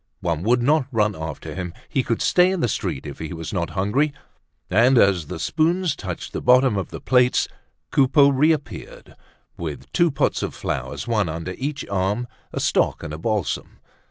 One would not run after him; he could stay in the street if he was not hungry; and as the spoons touched the bottom of the plates, Coupeau reappeared with two pots of flowers, one under each arm, a stock and a balsam.